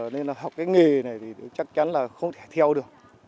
nên là học cái nghề này thì chắc chắn là không thể theo được